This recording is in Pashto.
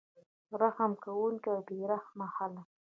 رحم کوونکي او بې رحمه خلک